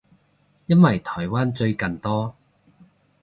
因為台灣最近多